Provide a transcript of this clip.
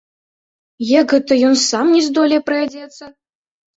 Як гэта, ён сам не здолее прыадзецца?